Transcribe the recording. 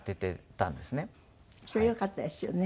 それはよかったですよね。